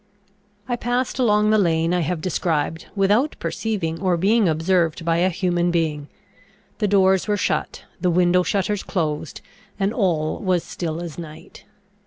I passed along the lane I have described, without perceiving or being observed by a human being. The doors were shut, the window shutters closed, and all was still as night.